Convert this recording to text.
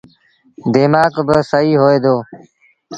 ديمآڪ با سهيٚ هوئي دو۔